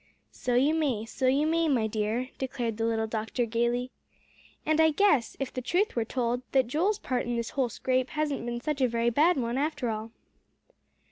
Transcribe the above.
"So you may; so you may, my dear," declared the little doctor gaily. "And I guess, if the truth were told, that Joel's part in this whole scrape hasn't been such a very bad one after all."